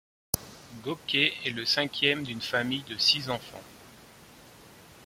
Gokey est le cinquième d'une famille de six enfants.